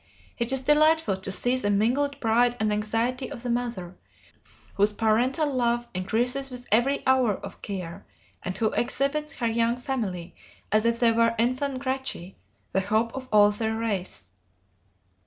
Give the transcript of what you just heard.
It is delightful to see the mingled pride and anxiety of the mother, whose parental love increases with every hour of care, and who exhibits her young family as if they were infant Gracchi, the hope of all their race.